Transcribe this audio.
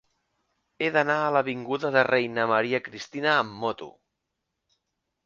He d'anar a l'avinguda de la Reina Maria Cristina amb moto.